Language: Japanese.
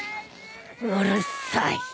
うるさい。